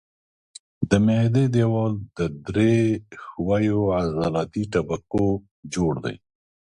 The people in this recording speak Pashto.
د معدې دېوال له درې ښویو عضلاتي طبقو جوړ دی.